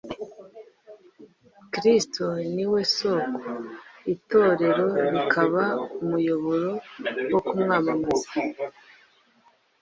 Kristo ni we soko, Itorero rikaba umuyoboro wo kumwamamaza.